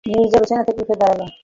নীরজা বিছানা ছেড়ে উঠে দাঁড়াল।